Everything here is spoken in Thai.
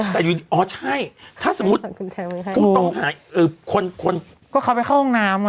แต่อยู่ดีอ๋อใช่ถ้าสมมุติผู้ต้องหาคนก็เขาไปเข้าห้องน้ำ